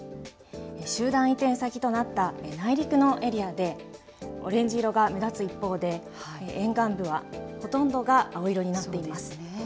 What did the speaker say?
集団移転先となった内陸のエリアでオレンジ色が目立つ一方で、沿岸部はほとんどが青色になっています。